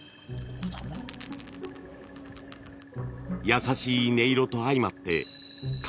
［優しい音色と相まって］